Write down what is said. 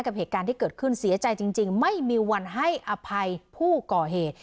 เหตุการณ์ที่เกิดขึ้นเสียใจจริงไม่มีวันให้อภัยผู้ก่อเหตุ